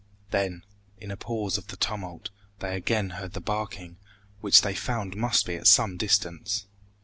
Then, in a pause of the tumult, they again heard the barking, which they found must be at some distance.